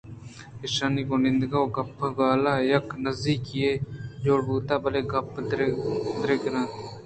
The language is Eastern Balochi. ایشانی گوں نندگ ءُگپ ءُگال ءَ یک نزّیکی ئے جوڑ بوت بلئے گپ دگرے اَت